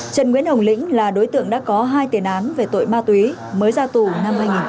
trần nguyễn hồng lĩnh là đối tượng đã có hai tiền án về tội ma túy mới ra tù năm hai nghìn